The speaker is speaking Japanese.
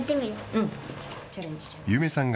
うん。